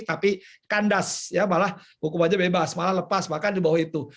tapi kandas ya malah hukumannya bebas malah lepas bahkan di bawah itu